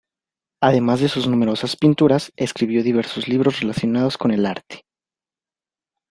Además de sus numerosas pinturas, escribió diversos libros relacionados con el arte.